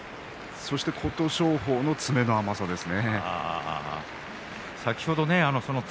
琴勝峰の詰めの甘さですね。